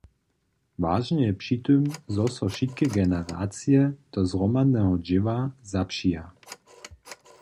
Wažne je při tym, zo so wšitke generacije do zhromadneho dźěła zapřija.